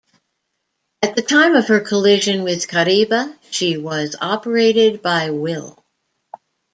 At the time of her collision with "Kariba" she was operated by Wilh.